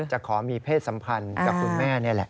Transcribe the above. ขอมีเพศสัมพันธ์กับคุณแม่นี่แหละ